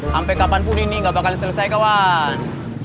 sampai kapanpun ini gak bakal selesai kawan